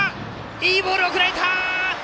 いいボールが送られた！